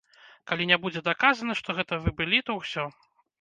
Калі не будзе даказана, што гэта вы былі, то ўсё.